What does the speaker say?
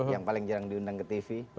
yang paling jarang diundang ke tv